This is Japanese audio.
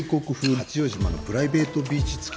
八丈島のプライベートビーチつきの。